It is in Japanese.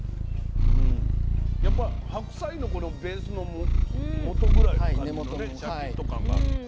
やっぱ白菜のベースのもとぐらいの感じのねシャキッと感がある。